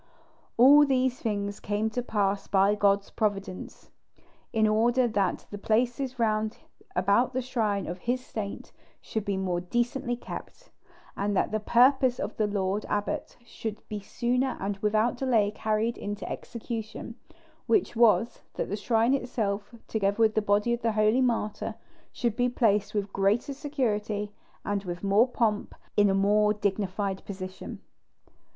All these things came to pass by God's providence, in order that the places round about the shrine of His saint should be more decently kept, and that the purpose of the lord abbot should be sooner and without delay carried into execution; which was, that the shrine itself, together with the body of the holy martyr, should be placed with greater security, and with more pomp, in a more dignified position.